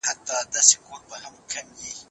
جمعيت بدلون راولي.